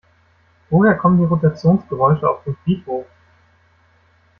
Woher kommen die Rotationsgeräusche auf dem Friedhof?